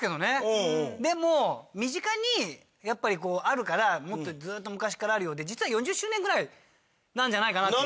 でも身近にやっぱりこうあるからもっとずーっと昔からあるようで実は４０周年ぐらいなんじゃないかなと。